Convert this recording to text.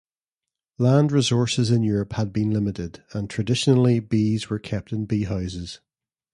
Land resources in Europe had been limited, and traditionally bees were kept in beehouses.